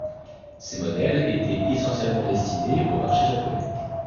Ces modèles étaient essentiellement destinés au marché japonais.